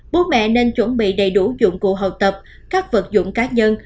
bố mẹ nên chuẩn bị đầy đủ dụng cụ học tập các vật dụng cá nhân